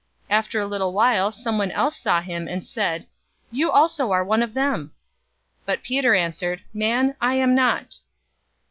022:058 After a little while someone else saw him, and said, "You also are one of them!" But Peter answered, "Man, I am not!"